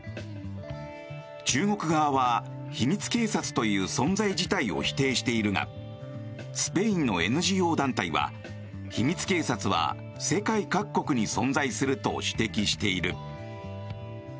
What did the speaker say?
中国側は、秘密警察という存在自体を否定しているがスペインのＮＧＯ団体は秘密警察は世界各国に存在すると指摘している。